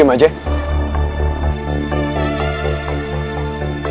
gue lagi butuh kalian berdua